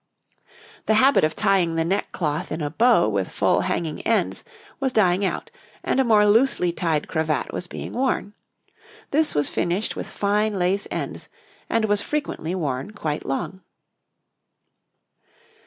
The habit of tying the neckcloth in a bow with full hanging ends was dying out, and a more loosely tied cravat was being worn; this was finished with fine lace ends, and was frequently worn quite long.